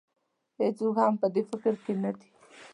هېڅوک هم په دې فکر کې نه دی.